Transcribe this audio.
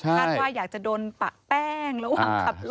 ว่าอยากจะโดนปะแป้งระหว่างขับรถ